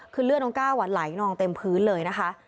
คือเลือดน้องก้าวไหลนองเต็มพื้นเลยนะคะ